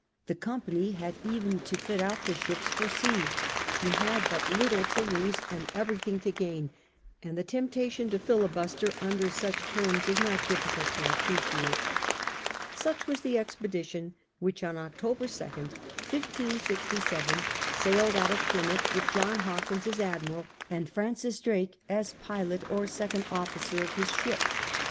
The Company had even to fit out the ships for sea. She had but little to lose and everything to gain, and the temptation to filibuster under such terms is not difficult to appreciate. Such was the expedition which on October 2nd, 1567, sailed out of Plymouth harbour with John Hawkins as admiral, and Francis Drake as pilot or second officer of his ship.